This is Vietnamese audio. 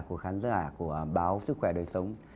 của khán giả của báo sức khỏe đời sống